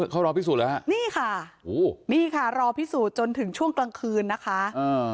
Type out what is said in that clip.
เขารอพิสูจนแล้วฮะนี่ค่ะโอ้โหนี่ค่ะรอพิสูจน์จนถึงช่วงกลางคืนนะคะอ่า